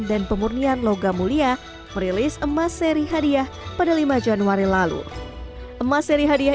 dan pemurnian logam mulia merilis emas seri hadiah pada lima januari lalu emas seri hadiah